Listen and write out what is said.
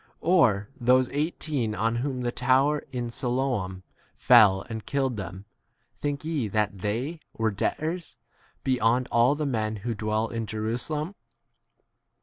Or those eighteen on whom the tower in Siloam fell and killed them, think ye that they were debtors beyond all the u men who dwell in 5 Jerusalem